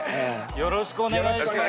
よろしくお願いします